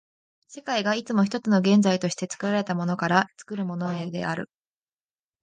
世界がいつも一つの現在として、作られたものから作るものへである。